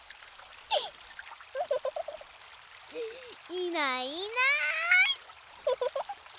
いないいない。